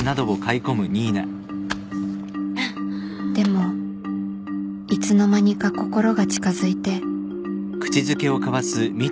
でもいつの間にか心が近づいて